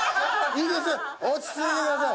いいです落ち着いてください！